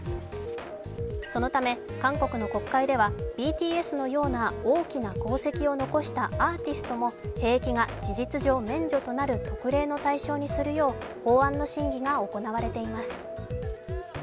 そのため、韓国の国会ではＢＴＳのような大きな功績を残したアーティストも兵役が事実上免除となる特例の対象となるよう法案の審議が行われています。